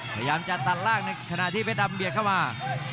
พยายามจะตัดล่างในขณะที่เพชรดำเบียดเข้ามา